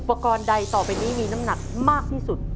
กรณ์ใดต่อไปนี้มีน้ำหนักมากที่สุด